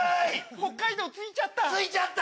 北海道着いちゃった。